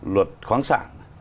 luật khoáng sản